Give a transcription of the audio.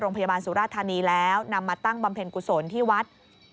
สุราธานีแล้วนำมาตั้งบำเพ็ญกุศลที่วัด